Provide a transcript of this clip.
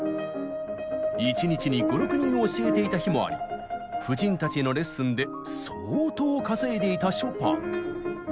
１日に５６人を教えていた日もあり婦人たちへのレッスンで相当稼いでいたショパン。